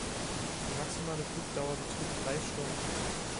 Die maximale Flugdauer betrug drei Stunden.